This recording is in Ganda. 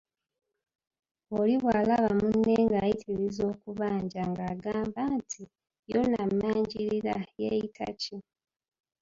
Oli bw'alaba munne ng'ayitirizza okubanja ng'agamba nti, y'ono ammanjirira yeeyita ki?